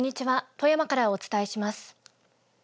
富山からお伝えします。